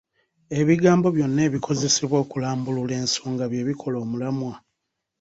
Ebigambo byonna ebikozesebwa okulambulula ensonga bye bikola omulamwa.